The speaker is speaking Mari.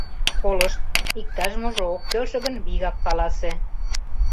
— Колышт, иктаж можо ок келше гын, вигак каласе: